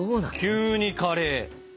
急にカレー？